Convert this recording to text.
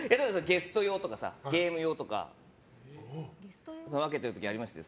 ゲスト用とかゲーム用とか分けてる時ありますよ。